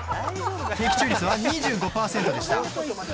的中率は２５％でした。